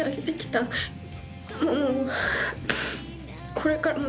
これからも。